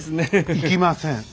行きません。